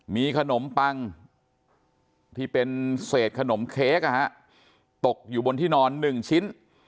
มีขนมปังที่เป็นเศษขนมเค้กตกอยู่บนที่นอน๑ชิ้น